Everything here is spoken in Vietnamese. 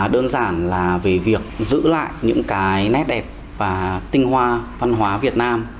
đơn giản là về việc giữ lại những cái nét đẹp và tinh hoa văn hóa việt nam